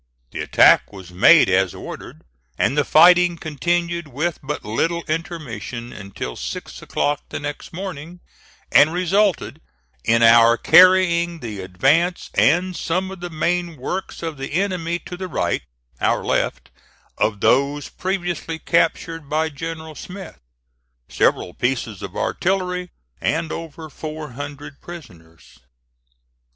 The attack was made as ordered, and the fighting continued with but little intermission until six o'clock the next morning, and resulted in our carrying the advance and some of the main works of the enemy to the right (our left) of those previously captured by General Smith, several pieces of artillery, and over four hundred prisoners.